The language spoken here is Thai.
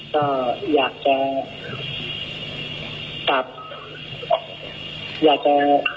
ก็อยากจะอยากจะ